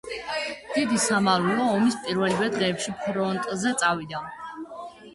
დიდი სამამულო ომის პირველივე დღეებში ფრონტზე წავიდა.